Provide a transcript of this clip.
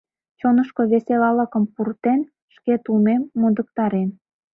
Чонышко веселалыкым пуртен, шкет улмем мондыктарен.